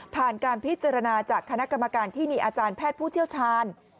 การพิจารณาจากคณะกรรมการที่มีอาจารย์แพทย์ผู้เชี่ยวชาญ